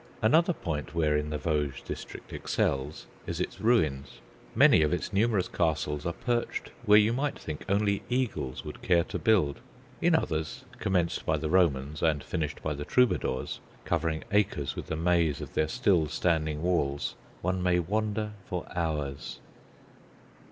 Another point wherein the Vosges district excels is its ruins. Many of its numerous castles are perched where you might think only eagles would care to build. In others, commenced by the Romans and finished by the Troubadours, covering acres with the maze of their still standing walls, one may wander for hours.